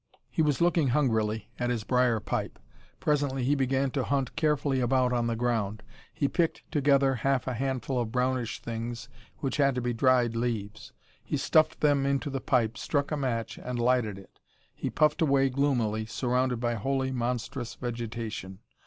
He was looking hungrily at his briar pipe. Presently he began to hunt carefully about on the ground. He picked together half a handful of brownish things which had to be dried leaves. He stuffed them into the pipe, struck a match, and lighted it. He puffed away gloomily, surrounded by wholly monstrous vegetation.